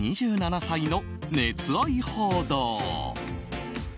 ２７歳の熱愛報道。